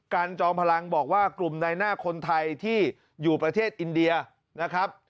จอมพลังบอกว่ากลุ่มในหน้าคนไทยที่อยู่ประเทศอินเดียนะครับ